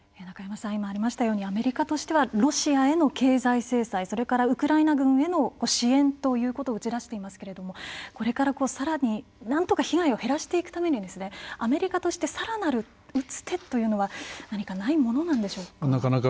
中山さん、今ありましたようにアメリカとしてはロシアへの経済制裁それからウクライナ軍への支援ということを打ち出していますがこれからさらに、なんとか被害を減らしていくためにはアメリカとしてさらなる打つ手というのは何かないものでしょうか。